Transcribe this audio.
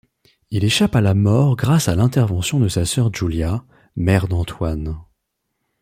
Il échappe à la mort grâce à l'intervention de sa sœur Julia, mère d'Antoine.